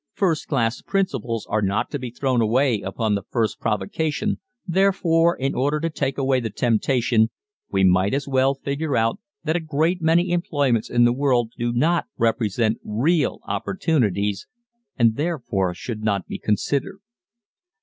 First class principles are not to be thrown away upon the first provocation, therefore, in order to take away the temptation, we might as well figure out that a great many employments in the world do not represent real opportunities and therefore should not be considered.